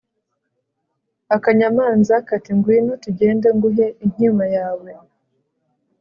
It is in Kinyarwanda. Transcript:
akanyamanza kati ‘ngwino tugende nguhe inkima yawe,